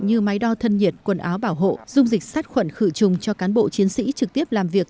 như máy đo thân nhiệt quần áo bảo hộ dung dịch sát khuẩn khử trùng cho cán bộ chiến sĩ trực tiếp làm việc